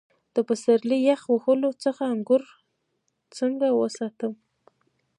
د پسرلي یخ وهلو څخه انګور څنګه وساتم؟